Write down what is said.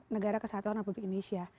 negara kesatuan atau indonesia